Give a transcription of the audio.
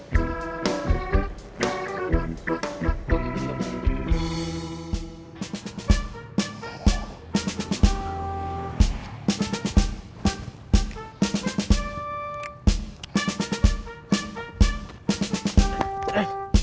jadi jangan luar biasa